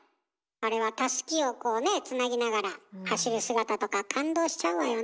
あれはたすきをこうねつなぎながら走る姿とか感動しちゃうわよね。